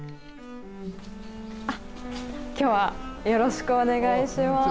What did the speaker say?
あ、きょうはよろしくお願いします。